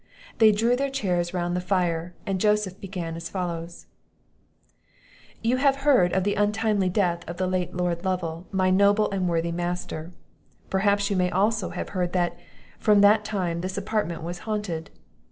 They drew their chairs round the fire, and Joseph began as follows: "You have heard of the untimely death of the late Lord Lovel, my noble and worthy master; perhaps you may have also heard that, from that time, this apartment was haunted.